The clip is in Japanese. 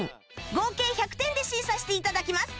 合計１００点で審査して頂きます